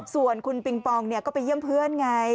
ส่วนคุณปิงปองก็ไปเยี่ยมเพื่อนไง